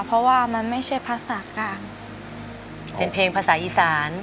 เพราะว่ามันไม่ใช่ภาษาค่ะเป็นเพลงภาษาอีสาน